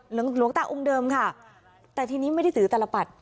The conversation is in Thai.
หลวงหลวงตาองค์เดิมค่ะแต่ทีนี้ไม่ได้ถือตลปัด